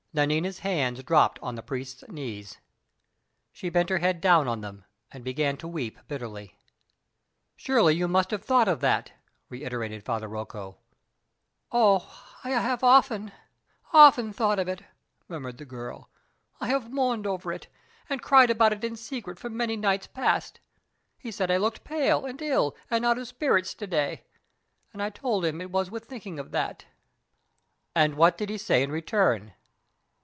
Nanina's hands dropped on the priest's knees. She bent her head down on them, and began to weep bitterly. "Surely you must have thought of that?" reiterated Father Rocco. "Oh, I have often, often thought of it!" murmured the girl "I have mourned over it, and cried about it in secret for many nights past. He said I looked pale, and ill, and out of spirits to day, and I told him it was with thinking of that!" "And what did he say in return?"